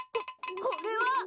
ここれは！